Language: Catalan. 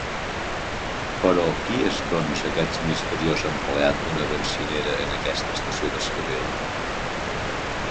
Però qui és doncs aquest misteriós empleat d'una benzinera en aquesta estació de servei?